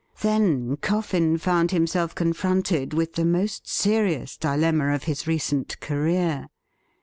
Then Coffin found himself confronted with the most serious dilemma of his recent career.